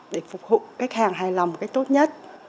để phục vụ khách hàng hài lòng một cách tốt nhất